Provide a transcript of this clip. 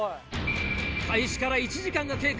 開始から１時間が経過。